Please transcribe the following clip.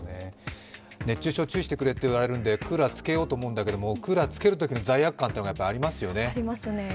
熱中症、注意してくれと言われるからクーラーつけるんだけども、クーラーつけるときの罪悪感というのがありますよね。